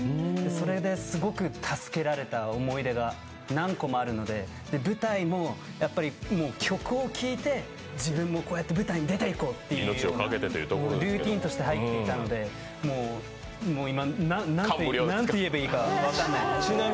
それですごく助けられた思い出が何個もあるんで舞台も曲を聴いて自分もこうやって舞台に出ていこうという、ルーティーンとして入っていたので今、何て言えばいいか分からないです。